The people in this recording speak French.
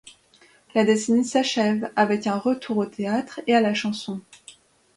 La décennie s'achève avec un retour au théâtre et à la chanson.